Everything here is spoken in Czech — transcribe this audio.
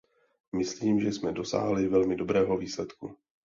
Myslím, že jsme dosáhli velmi dobrého výsledku.